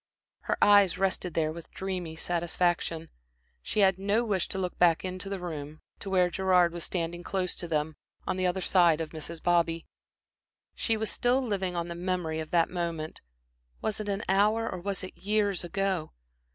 Her eyes rested there with dreamy satisfaction. She had no wish to look back into the room, to where Gerard was standing close to them, on the other side of Mrs. Bobby. She was still living on the memory of that moment was it an hour or was it years ago?